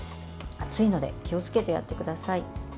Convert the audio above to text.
熱いので気をつけてやってください。